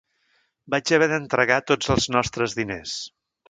Vaig haver d'entregar tots els nostres diners.